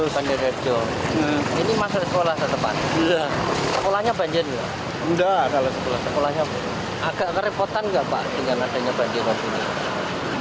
sekolahnya agak repotan nggak pak dengan adanya bagian rob ini